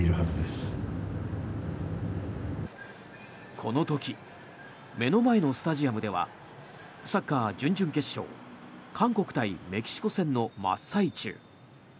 この時目の前のスタジアムではサッカー準々決勝韓国対メキシコ戦の真っ最中。